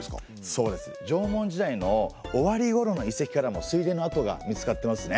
そうです縄文時代の終わりごろの遺跡からも水田の跡が見つかってますね。